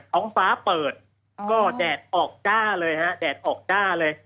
ท้องฟ้าเปิดก็แดดออกจ้าเลยฮะแดดออกจ้าเลย